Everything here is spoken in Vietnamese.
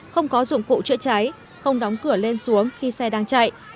không có dụng cụ chữa cháy không đóng cửa lên xuống khi xe đang chạy